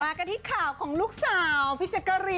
มากันที่ข่าวของลูกสาวพี่แจกริ๊ม